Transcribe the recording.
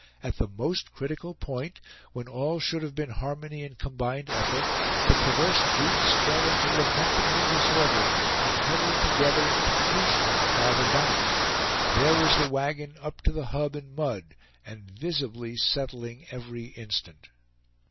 At the most critical point, when all should have been harmony and combined effort, the perverse brutes fell into lamentable disorder, and huddled together in confusion on the farther bank. There was the wagon up to the hub in mud, and visibly settling every instant.